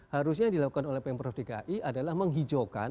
harusnya yang dilakukan oleh pemprov dki adalah menghijaukan